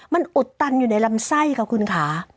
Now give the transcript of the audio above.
มันอุดตันอยู่ในลำไส้ค่ะคุณค่ะ